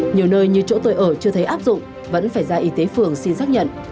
nhiều nơi như chỗ tôi ở chưa thấy áp dụng vẫn phải ra y tế phường xin xác nhận